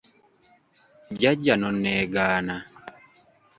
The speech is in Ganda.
Jjajja n'onneegaana!